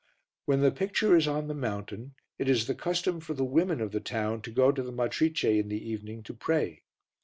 When the picture is on the mountain it is the custom for the women of the town to go to the Matrice in the evening to pray.